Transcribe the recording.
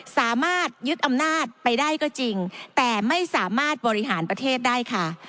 สามารถยึดอำนาจไปได้ก็จริงแต่ไม่สามารถบริหารประเทศได้ค่ะ